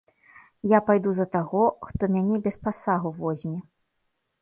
Я пайду за таго, хто мяне без пасагу возьме.